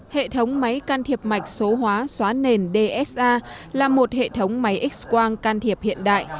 hệ thống máy can thiệp mạch số hóa xóa nền dsa là một hệ thống máy x quang can thiệp hiện đại